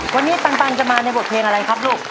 วันนี้ปังจะมาในบทเพลงอะไรครับลูก